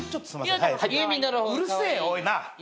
うるせえ。